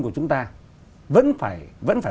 của chúng ta vẫn phải vẫn phải